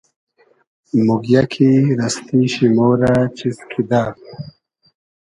موگیۂ کی رئستی شی مۉ رۂ چیز کیدۂ